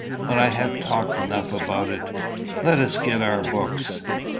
But I have talked enough about it. Let us get our books."